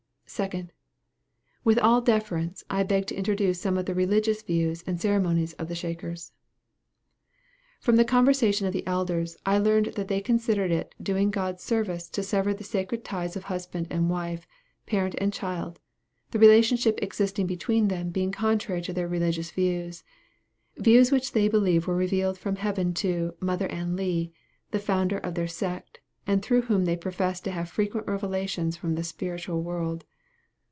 2d. With all deference, I beg leave to introduce some of the religious views and ceremonies of the Shakers. From the conversation of the elders, I learned that they considered it doing God service to sever the sacred ties of husband and wife, parent and child the relationship existing between them being contrary to their religious views views which they believe were revealed from heaven to "Mother Ann Lee," the founder of their sect, and through whom they profess to have frequent revelations from the spiritual world.